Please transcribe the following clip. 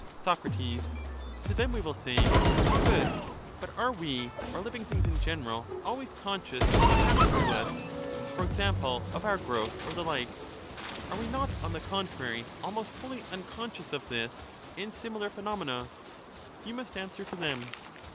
and pain. Soc, To them we will say :' Good ; but are we, or living things in general, always conscious of what happens to us — for example, of our growth, or the like ? Are we not, on the contrary, almost wholly unconscious of this and similar phenomena ?' You must answer for them.